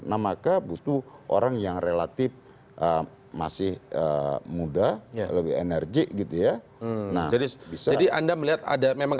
nah maka butuh orang yang relatif masih muda lebih energi gitu ya nah jadi bisa jadi anda melihat ada memang